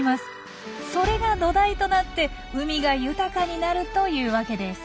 それが土台となって海が豊かになるというわけです。